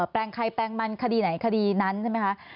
แปลงใครแปลงมันคดีไหนคดีนั้นใช่ไหมคะ